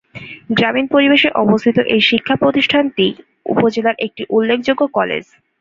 গ্রামীণ পরিবেশে অবস্থিত এই শিক্ষা প্রতিষ্ঠানটি উপজেলার একটি উল্লেখযোগ্য কলেজ।